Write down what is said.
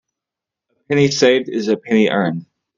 A penny saved is a penny earned.